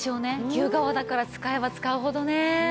牛革だから使えば使うほどね。